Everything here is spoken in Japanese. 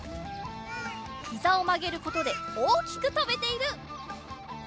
ひざをまげることでおおきくとべている！